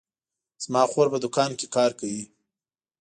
زما خور په دوکان کې کار کوي